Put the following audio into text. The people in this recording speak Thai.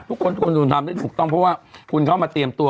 ทุกคนควรทำได้ถูกต้องเพราะว่าคุณเข้ามาเตรียมตัว